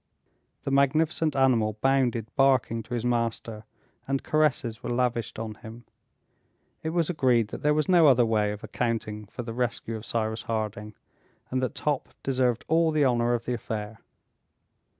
The magnificent animal bounded barking to his master, and caresses were lavished on him. It was agreed that there was no other way of accounting for the rescue of Cyrus Harding, and that Top deserved all the honor of the affair.